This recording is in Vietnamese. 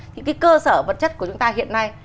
thì cái cơ sở vật chất của chúng ta hiện nay